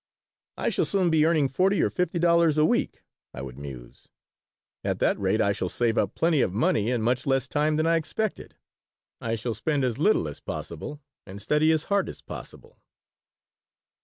"I shall soon be earning forty or fifty dollars a week," I would muse. "At that rate I shall save up plenty of money in much less time than I expected. I shall spend as little as possible and study as hard as possible."